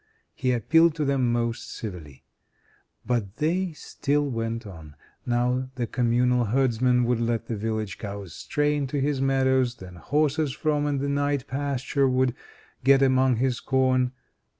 He appealed to them most civilly, but they still went on: now the Communal herdsmen would let the village cows stray into his meadows; then horses from the night pasture would get among his corn.